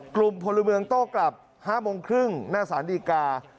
กลุ่มพลเมืองโต้กลับ๕โมงครึ่งหน้าสารดีกา